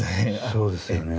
そうですよね。